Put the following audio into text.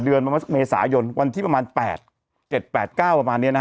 เดือนประมาณสักเมษายนวันที่ประมาณแปดเจ็ดแปดเก้าประมาณเนี้ยนะฮะ